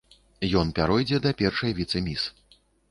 Ён пяройдзе да першай віцэ-міс.